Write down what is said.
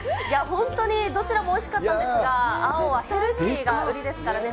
本当にどちらもおいしかったんですが、青はヘルシーが売りですからね。